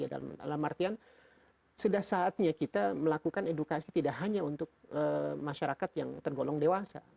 dalam artian sudah saatnya kita melakukan edukasi tidak hanya untuk masyarakat yang tergolong dewasa